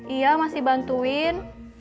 iya masih bantuin